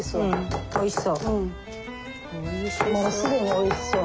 おいしそう。